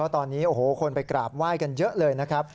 ตอนนี้โอ้โหคนไปกราบไหว้กันเยอะเลยนะครับ